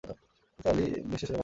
নিসার আলি নিশ্চয়ই সেরকম হবেন না।